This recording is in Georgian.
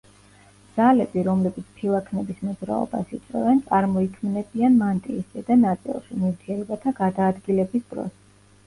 ძალები, რომლებიც ფილაქნების მოძრაობას იწვევენ, წარმოიქმნებიან მანტიის ზედა ნაწილში, ნივთიერებათა გადაადგილების დროს.